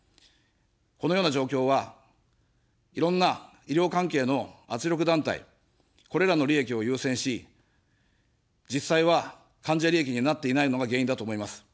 このような状況は、いろんな医療関係の圧力団体、これらの利益を優先し、実際は患者利益になっていないのが原因だと思います。